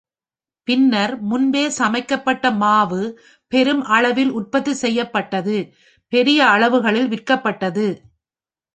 பின்னர், முன்பே சமைக்கப்பட்ட மாவு பெரும் அளவில் உற்பத்தி செய்யப்பட்டது, பெரிய அளவுகளில் விற்கப்பட்டது.